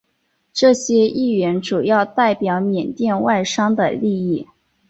这些议员主要代表缅甸外商的利益。